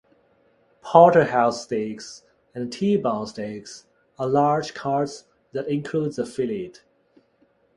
Porterhouse steaks and T-bone steaks are large cuts that include the fillet.